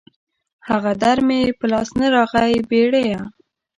هغه در مې په لاس نه راغی بېړيه